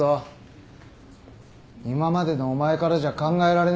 今までのお前からじゃ考えられない。